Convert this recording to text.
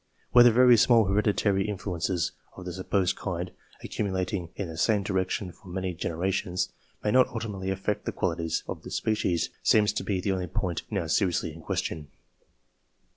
Whether very small hereditary influences of the supposed kind, accumulating in the same direction for many genera tions, may not ultimately affect the qualities of the species, seems to be the only point now seriously in question.